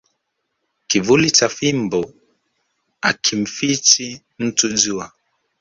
Kivuli cha fimbo hakimfichi mtu jua